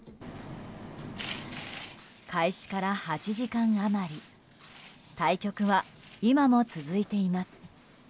開始から８時間余り対局は今も続いています。